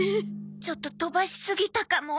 ちょっと飛ばしすぎたかも。